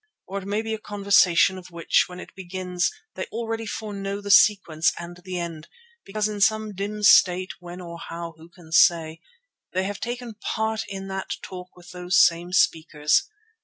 Or it may be a conversation of which, when it begins, they already foreknow the sequence and the end, because in some dim state, when or how who can say, they have taken part in that talk with those same speakers.